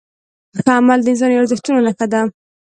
ښه عمل د انساني ارزښتونو نښه ده.